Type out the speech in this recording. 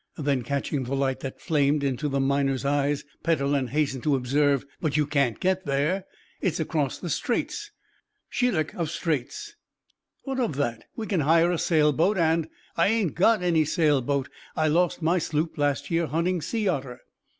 Then, catching the light that flamed into the miner's eyes, Petellin hastened to observe: "But you can't get there. It's across the Straits Shelikof Straits." "What of that! We can hire a sail boat, and " "I ain't got any sail boat. I lost my sloop last year hunting sea otter."